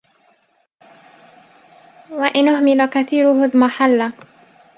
وَإِنْ أُهْمِلَ كَثِيرُهُ اضْمَحَلَّ